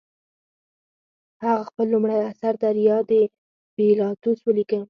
هغه خپل لومړی اثر دریا د پیلاتوس ولیکه.